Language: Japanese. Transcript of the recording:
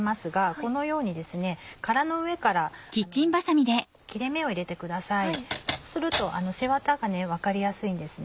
こうすると背ワタが分かりやすいんですね。